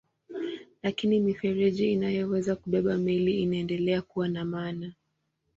Lakini mifereji inayoweza kubeba meli inaendelea kuwa na maana.